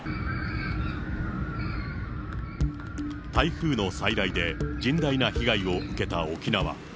台風の災害で甚大な被害を受けた沖縄。